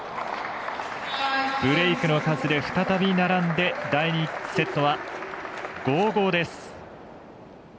ブレークの数で再び並んで第２セットは５−５です。